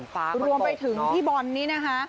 ฝากมันตกน้อยรวมไปถึงพี่บอลนี่นะฮะ